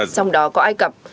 trong đó có ai cập